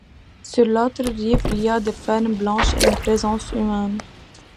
Sur l'autre rive il y a des fermes blanches et une présence humaine.